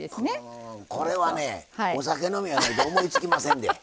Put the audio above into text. これはねお酒飲みやないと思いつきませんで。